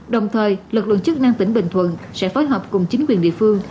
đồng thời lực lượng chức năng tỉnh bình thuận sẽ phối hợp cùng chính quyền địa phương